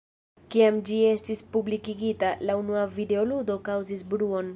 Kiam ĝi estis publikigita, la unua videoludo kaŭzis bruon.